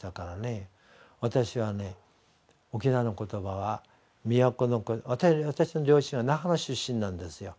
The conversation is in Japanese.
私はね沖縄の言葉は宮古の私の両親は那覇の出身なんですよ。